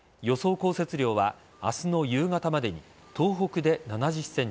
降雪量は明日の夕方までに東北で７０ｃｍ